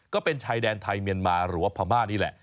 ก็เป็นชายแดนไทยเมียนมาหรือว่าพม่านี่แหละ